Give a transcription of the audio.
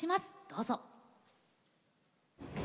どうぞ。